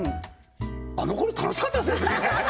あの頃楽しかったですよね